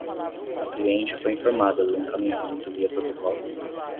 A cliente foi informada do encaminhamento via protocolo